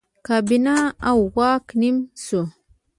کابینه او واک نیم شو.